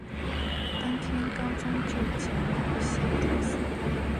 当天高宗就前往显忠寺。